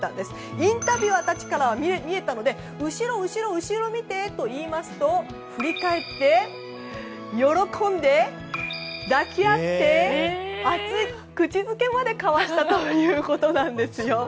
インタビュアーたちからは見えたので、後ろを見て！と言いますと、振り返って喜んで抱き合って熱い口づけまで交わしたということなんですよ。